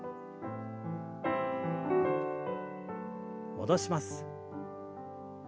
戻します。